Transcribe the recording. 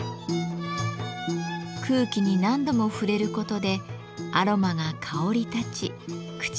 空気に何度も触れることでアロマが香り立ち口当たりもまろやかに。